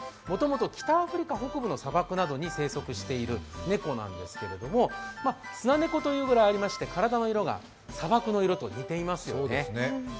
もともと北アフリカ北部の砂漠などに生息している猫なんですけれどもスナネコというだけありまして体の色が砂漠の色と似てますね。